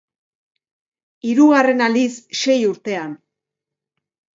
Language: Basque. Hirugarren aldiz sei urtean.